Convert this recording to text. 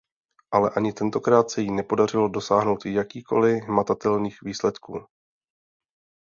Ale ani tentokrát se jí nepodařilo dosáhnout jakýchkoli hmatatelných výsledků.